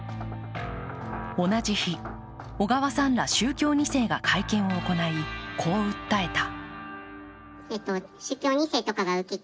同じ日、小川さんら宗教２世が会見を行い、こう訴えた。